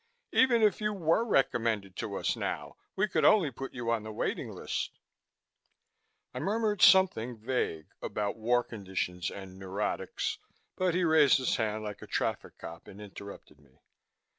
Even if you were recommended to us now we could only put you on the waiting list." I murmured something vague about war conditions and neurotics, but he raised his hand like a traffic cop and interrupted me.